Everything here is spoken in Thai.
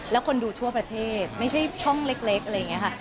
แล้วคนดูทั่วประเทศไม่ใช่ช่องเล็กอะไรอย่างนี้ค่ะ